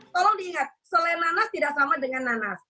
tolong diingat selain nanas tidak sama dengan nanas